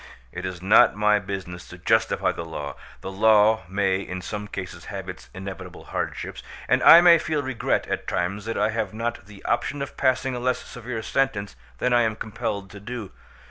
"It is not my business to justify the law: the law may in some cases have its inevitable hardships, and I may feel regret at times that I have not the option of passing a less severe sentence than I am compelled to do.